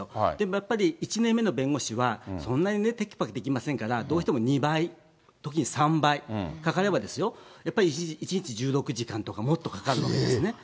やっぱり１年目の弁護士は、そんなにてきぱきできませんから、どうしても２倍、時に３倍かかれば、やっぱり１日１６時間とか、もっとかかるんですね。